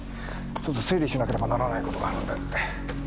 ちょっと整理しなければならない事があるんで失礼。